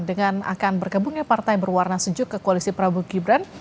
dengan akan bergabungnya partai berwarna sejuk ke koalisi prabowo gibran